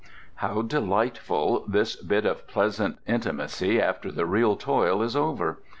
How delightful this bit of pleasant intimacy after the real toil is over!